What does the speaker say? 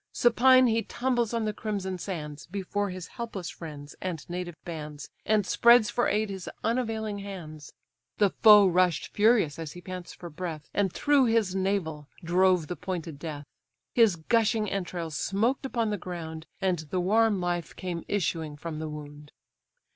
Supine he tumbles on the crimson sands, Before his helpless friends, and native bands, And spreads for aid his unavailing hands. The foe rush'd furious as he pants for breath, And through his navel drove the pointed death: His gushing entrails smoked upon the ground, And the warm life came issuing from the wound.